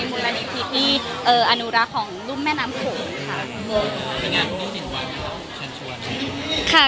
มูลนี้คริสที่เอ่ออนุราฮิตของลูงแม่น้ำโข่ค่ะ